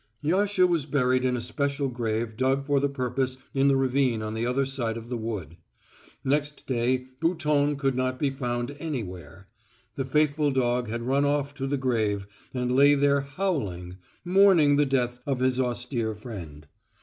Yasha was buried in a special grave dug for the purpose in the ravine on the other side of the wood. Next day Bouton could not be found anywhere. The faithful dog had run off to the grave and lay there howling, mourning the death of his austere friend.